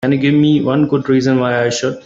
Can you give me one good reason why I should?